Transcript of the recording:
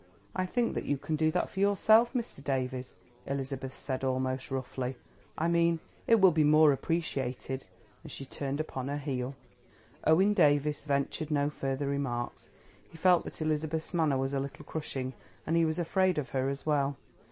"I think that you can do that for yourself, Mr. Davies," Elizabeth said almost roughly. "I mean it will be more appreciated," and she turned upon her heel. Owen Davies ventured no further remarks. He felt that Elizabeth's manner was a little crushing, and he was afraid of her as well.